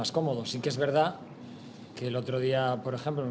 yang sangat berpengaruh